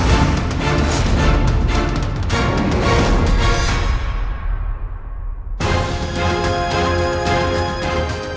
untuk mendapatkan mustika ampal itu